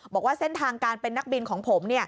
บอกว่าเส้นทางการเป็นนักบินของผม